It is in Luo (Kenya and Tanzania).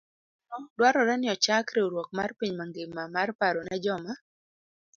E wi mano, dwarore ni ochak riwruok mar piny mangima mar paro ne joma